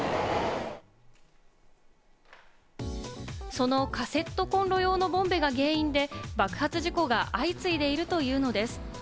そのカセットコンロ用のボンベが原因で、爆発事故が相次いでいるというのです。